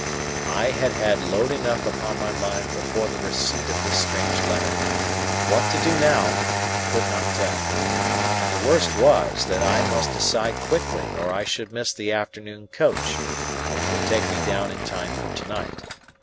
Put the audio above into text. I had had load enough upon my mind before the receipt of this strange letter. What to do now, I could not tell. And the worst was, that I must decide quickly, or I should miss the afternoon coach, which would take me down in time for to night.